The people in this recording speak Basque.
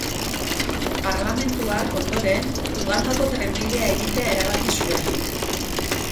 Parlamentuak, ondoren, Ugandako trenbidea egitea erabaki zuen.